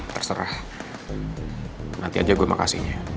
terserah nanti aja gue makasihnya